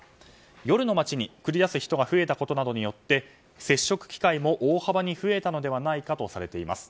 夜の街に繰り出す人が増えたことなどによって接触機会も大幅に増えたのではないかとされています。